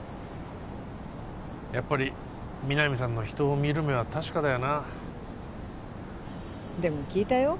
やっぱり皆実さんの人を見る目は確かだよなでも聞いたよ